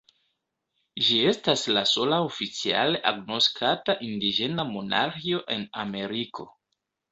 Ĝi estas la sola oficiale agnoskata indiĝena monarĥio en Ameriko.